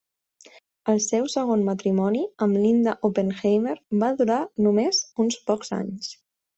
El seu segon matrimoni, amb Linda Oppenheimer, va durar només uns pocs anys.